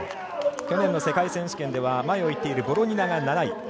去年の世界選手権では前にいっているボロニナが７位。